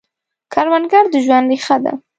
کروندګر د ژوند ریښه ده